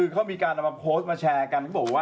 เขามีการเอามาโพสต์มาแชร์กัน